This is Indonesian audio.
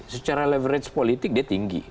secara leverage politik dia tinggi